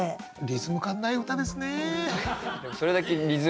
リズム感ない歌ですね。